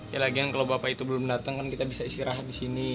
ya lagian kalau bapak itu belum datang kan kita bisa istirahat di sini